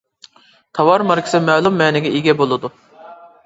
تاۋار ماركىسى مەلۇم مەنىگە ئىگە بولىدۇ.